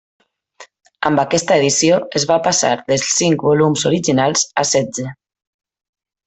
Amb aquesta edició es va passar dels cinc volums originals a setze.